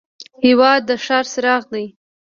هېواد د ښار څراغ دی.